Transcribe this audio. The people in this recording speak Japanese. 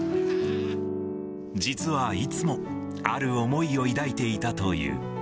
実はいつも、ある思いを抱いていたという。